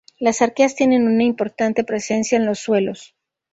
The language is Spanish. Las arqueas tiene una importante presencia en los suelos.